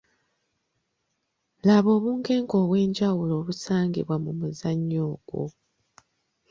Laga obunkenke obw’enjawulo obusangibwa mu muzannyo ogwo.